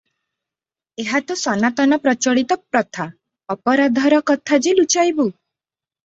ଏହା ତ ସନାତନ ପ୍ରଚଳିତ ପ୍ରଥା, ଅପରାଧର କଥା ଯେ ଲୁଚାଇବୁ?